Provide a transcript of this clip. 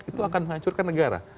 itu akan menghancurkan negara